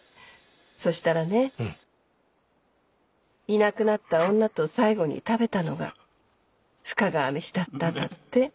いなくなった女と最後に食べたのが深川飯だったんだって。